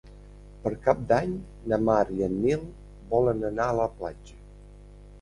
Per Cap d'Any na Mar i en Nil volen anar a la platja.